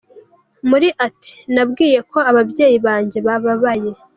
Muri ati Nabwiwe ko ababyeyi banjye babaye.